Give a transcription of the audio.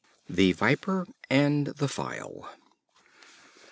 The Viper and the File.